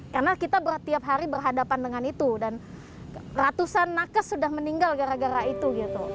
karena kita tiap hari berhadapan dengan itu dan ratusan nakes sudah meninggal gara gara itu